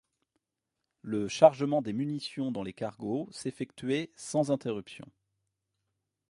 Le chargement des munitions dans les cargos s'effectuait sans interruption.